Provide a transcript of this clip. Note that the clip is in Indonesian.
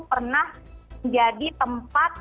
pernah menjadi tempat